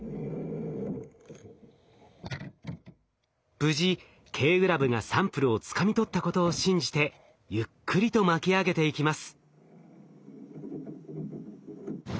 無事Ｋグラブがサンプルをつかみ取ったことを信じてゆっくりと巻き上げていきます。